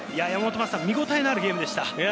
見応えのあるゲームでした。